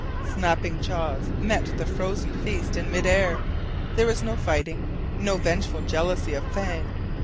Snapping jaws met the frozen feast in midair. There was no fighting no vengeful jealousy of fang.